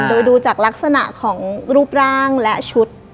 โดยดูจากลักษณะของรูปร่างและชุด